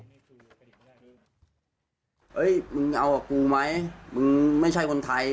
นี่คือมึงเอากับกูไหมมึงไม่ใช่คนไทย